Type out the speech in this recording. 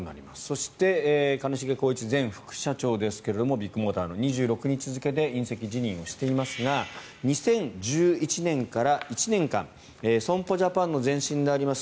そして、ビッグモーターの兼重宏一前副社長ですが２６日付で引責辞任をしていますが２０１１年から１年間損保ジャパンの前身であります